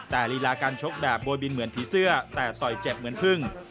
แต่ลีลาการชกแบบโบยบินเหมือนผีเสื้อแต่ต่อยเจ็บเหมือนพึ่ง